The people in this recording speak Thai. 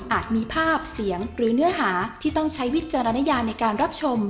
มีภาพเสียงหรือเนื้อหาที่ต้องใช้วิจารณญาในการรับชม